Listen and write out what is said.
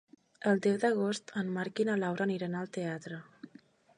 El deu d'agost en Marc i na Laura aniran al teatre.